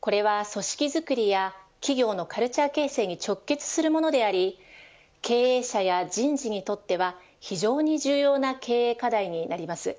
これは組織づくりや企業のカルチャー形成に直結するものであり経営者や人事にとっては非常に重要な経営課題になります。